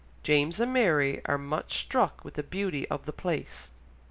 James and Mary are much struck with the beauty of the place."